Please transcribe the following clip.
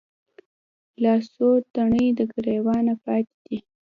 لا څــــو تڼۍ د ګــــــرېوانه پاتـې دي